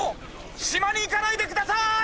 しまにいかないでください！